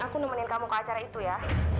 aku nemenin kamu ke acara itu ya